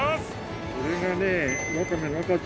これがね。